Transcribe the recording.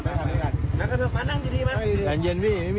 ๑ฉุกพี่แล้วก